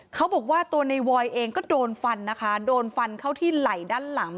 เขาบอกว่าตัวในวอยเองก็โดนฟันนะคะโดนฟันเข้าที่ไหล่ด้านหลัง